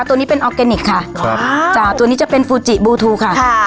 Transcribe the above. ตัวนี้เป็นออร์แกนิคค่ะครับจ้ะตัวนี้จะเป็นฟูจิบูทูค่ะ